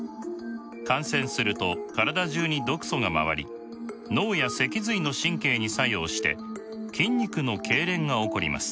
感染すると体中に毒素が回り脳や脊髄の神経に作用して筋肉のけいれんが起こります。